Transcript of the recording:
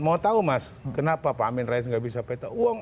mau tahu mas kenapa pak amin rais gak bisa peta uang